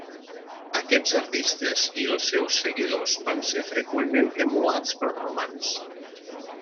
Aquests artistes i els seus seguidors van ser freqüentment emulats pels romans.